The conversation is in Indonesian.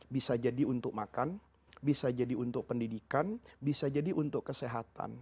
bisa jadi untuk makan bisa jadi untuk pendidikan bisa jadi untuk kesehatan